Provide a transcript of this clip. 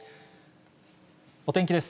お天気です。